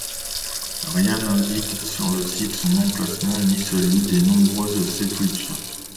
Rien n'indique sur le site son emplacement ni celui des nombreuses sépultures.